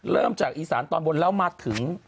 เริ่มจากอีสานตอนบนแล้วมาถึง